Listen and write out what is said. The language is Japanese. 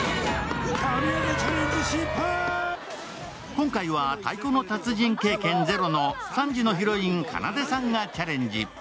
今回は太鼓の達人経験ゼロの３時のヒロイン・かなでさんがチャレンジ。